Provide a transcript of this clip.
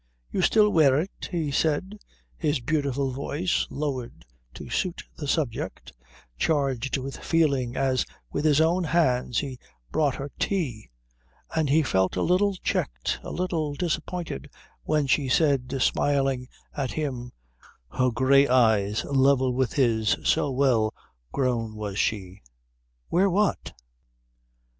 "You still wear it?" he said, his beautiful voice, lowered to suit the subject, charged with feeling as with his own hands he brought her tea; and he felt a little checked, a little disappointed, when she said, smiling at him, her grey eyes level with his so well grown was she, "Wear what?"